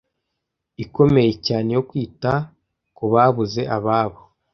ikomeye cyane yo kwita kubabuze ababo